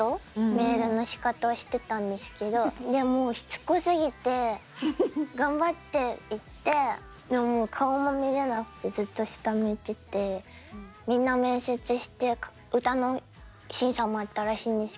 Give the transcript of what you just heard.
メールのシカトをしてたんですけどでもうしつこすぎて頑張って行ってでもう顔も見れなくてずっと下向いててみんな面接して歌の審査もあったらしいんですけど